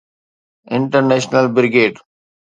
International brigade.